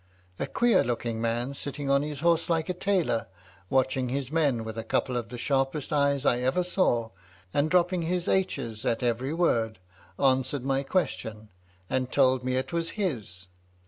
A queer looking man, sitting on his horse like a tailor, watching his men with a couple of the sharpest eyes I ever saw, and dropping his h's at every word, answered my question, and told me it was his.